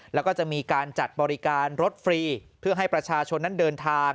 แล้วก็จะมีการจัดบริการรถฟรีเพื่อให้ประชาชนนั้นเดินทาง